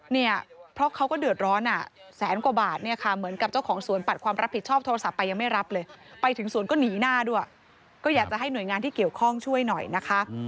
มีการที่เกี่ยวข้องช่วยหน่อยนะคะ